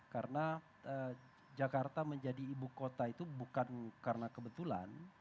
karena jakarta menjadi ibu kota itu bukan karena kebetulan